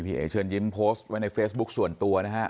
เอ๋เชิญยิ้มโพสต์ไว้ในเฟซบุ๊คส่วนตัวนะฮะ